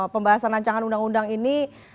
pembahasan rancangan undang undang ini